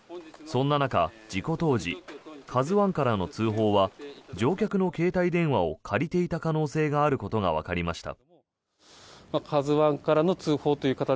そんな中、事故当時「ＫＡＺＵ１」からの通報は乗客の携帯電話を借りていた可能性があることがわかりました。